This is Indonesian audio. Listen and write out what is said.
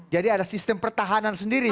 jadi ada sistem pertahanan sendiri